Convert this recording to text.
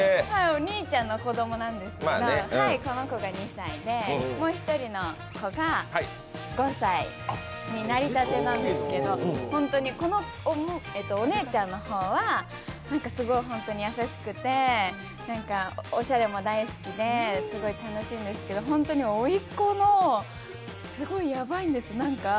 お兄ちゃんの子供なんですが、この子が２歳でもう１人の子が５歳になりたてなんですけどお姉ちゃんの方はすごい優しくておしゃれも大好きですごい楽しいんですけど、本当に甥っ子がすごいやばいんです。